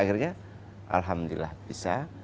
akhirnya alhamdulillah bisa